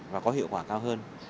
và có hiệu quả cao hơn